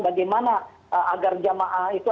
bagaimana agar jamaah itu